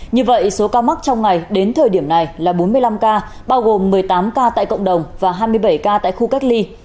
như vậy số ca mắc trong ngày đến thời điểm này là bốn mươi năm ca bao gồm một mươi tám ca tại cộng đồng và hai mươi bảy ca tại khu cách ly